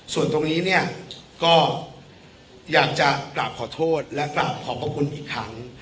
ส่วนตรงนี้เนี่ยก็อยากจะกราบขอโทษและกลับขอบพระคุณอีกครั้ง